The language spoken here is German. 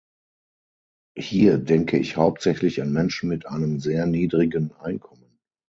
Hier denke ich hauptsächlich an Menschen mit einem sehr niedrigen Einkommen.